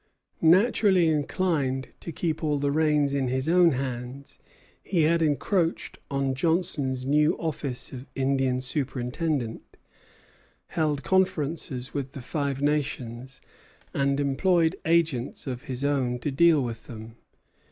Naturally inclined to keep all the reins in his own hands, he had encroached on Johnson's new office of Indian superintendent, held conferences with the Five Nations, and employed agents of his own to deal with them.